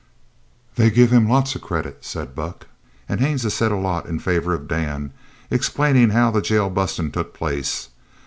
"They give him lots of credit," said Buck. "An' Haines has said a lot in favour of Dan, explainin' how the jail bustin' took place.